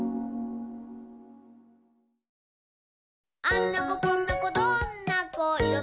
「あんな子こんな子どんな子いろ